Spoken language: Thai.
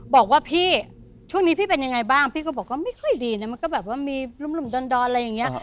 บอกว่าพี่ช่วงนี้พี่เป็นยังไงบ้างพี่ก็บอกว่าไม่ค่อยดีนะมันก็แบบว่ามีหลุมดอนอะไรอย่างนี้